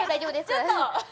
ちょっと！